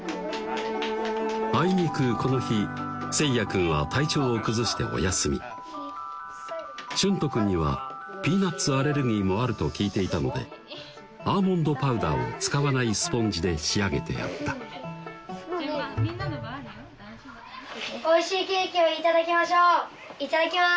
あいにくこの日せいや君は体調を崩してお休みしゅんと君にはピーナツアレルギーもあると聞いていたのでアーモンドパウダーを使わないスポンジで仕上げてあったおいしいケーキをいただきましょういただきます！